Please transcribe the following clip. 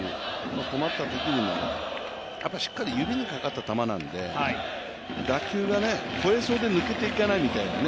困ったときにもしっかり指にかかった球なんで、打球が越えそうで抜けていかないみたいな。